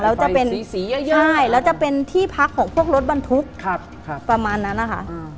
แล้วจะเป็นที่พักของพวกรถบรรทุกประมาณนั้นนะคะ